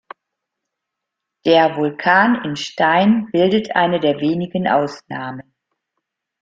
Der Vulkan in Stein bildet eine der wenigen Ausnahmen.